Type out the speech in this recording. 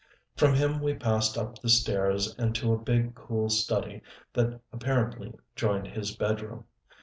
From him we passed up the stairs and to a big, cool study that apparently joined his bedroom.